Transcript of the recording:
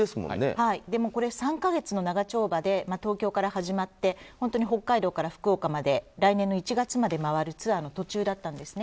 ３か月の長丁場で東京から始まって北海道から福岡まで来年１月まで回るツアーの途中だったんですね。